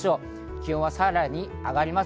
気温はさらに上がります。